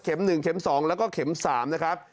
๑เข็ม๒แล้วก็เข็ม๓นะครับ